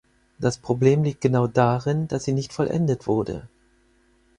Das Problem liegt genau darin, dass sie nicht vollendet wurde.